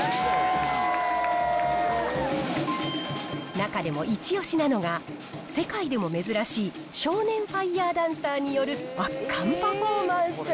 中でも一押しなのが、世界でも珍しい少年ファイヤーダンサーによる圧巻パフォーマンス。